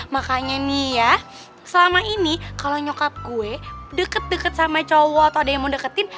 makanya nih ya selama ini kalau nyokap gue deket deket sama cowok atau ada yang mau deketin